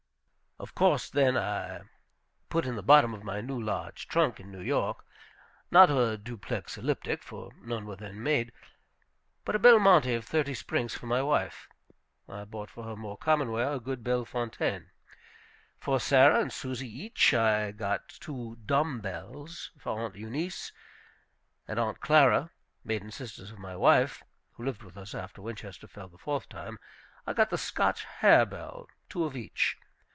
Of course, then, I put in the bottom of my new large trunk in New York, not a "duplex elliptic," for none were then made, but a "Belmonte," of thirty springs, for my wife. I bought, for her more common wear, a good "Belle Fontaine." For Sarah and Susy each I got two "Dumb Belles." For Aunt Eunice and Aunt Clara, maiden sisters of my wife, who lived with us after Winchester fell the fourth time, I got the "Scotch Harebell," two of each.